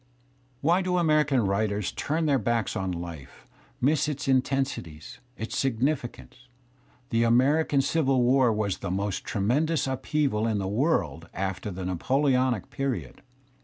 , Why; do American writers turn their backs on life, miss its intensities, its si^afficance? The American Civil War was . the most tremendous upheaval in the world after the Napo , Iconic period.